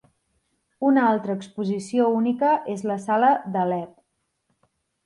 Una altra exposició única és la sala d'Alep.